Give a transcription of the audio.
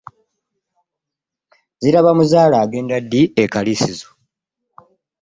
Zirabamuzaale agenda ddi e kaliisizo.